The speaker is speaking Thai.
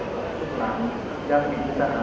ขอบคุณทุกคนมากครับที่รักโจมตีที่ทุกคนรัก